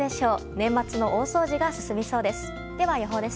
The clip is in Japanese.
年末の大掃除が進みそうです。